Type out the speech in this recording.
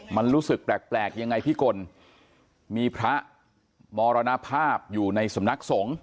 มันรู้สึกแปลกยังไงพี่กลมีพระมรณภาพอยู่ในสำนักสงฆ์